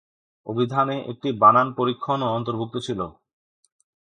অভিধানে একটি বানান পরীক্ষণও অন্তর্ভুক্ত ছিল।